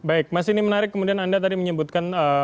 baik mas ini menarik kemudian anda tadi menyebutkan